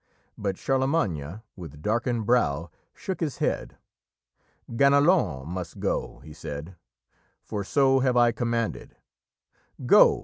But Charlemagne, with darkened brow, shook his head. "Ganelon must go," he said, "for so have I commanded. Go!